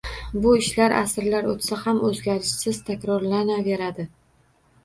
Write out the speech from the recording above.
Bu ish asrlar o‘tsa ham, o‘zgarishsiz takrorlanaverdi